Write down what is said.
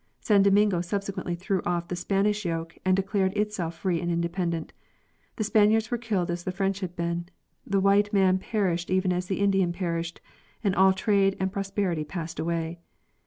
San Domingo subsequently threw off the Spanish yoke and declared itself free and independent. The Spaniards were killed as the French had been. The white man perished even as the Indian perished, and all trade and pros perity passed away.